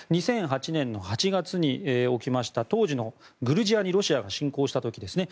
２００８年の８月に起きました当時のグルジアにロシアが侵攻した時ですね。